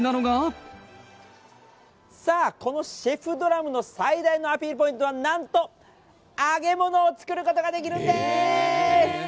さあ、このシェフドラムの最大のアピールポイントはなんと、揚げ物を作ることができるんです。